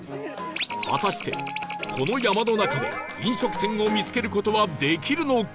果たしてこの山の中で飲食店を見つける事はできるのか？